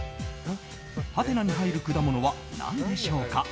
はてなに入る果物は何でしょうか？